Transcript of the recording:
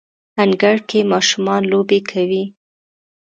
انګړ کې ماشومان لوبې کوي